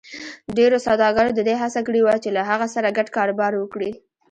ډېرو سوداګرو د دې هڅه کړې وه چې له هغه سره ګډ کاروبار وکړي.